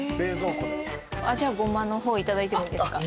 じゃあごまの方頂いてもいいですか？